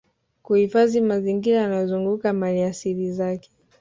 Kuhifadhi mazingira yanayozunguka maliasili zake